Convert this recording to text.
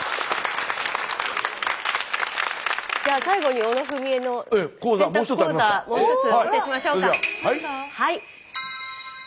じゃあ最後に「小野文惠の洗濯講座」もう一つお見せしましょうか。